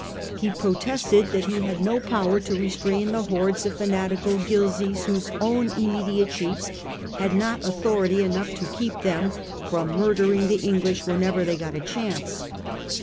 He protested that he had no power to restrain the hordes of fanatical Ghilzyes whose own immediate chiefs had not authority enough to keep them from murdering the English whenever they got a chance.